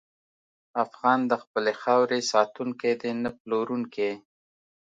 افغان د خپلې خاورې ساتونکی دی، نه پلورونکی.